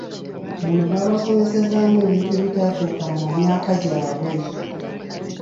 Muno babasomesezaamu ebintu ebitatuukana na myaka gyabwe.